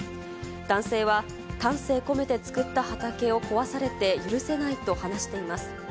男性は、丹精込めて作った畑を壊されて許せないと話しています。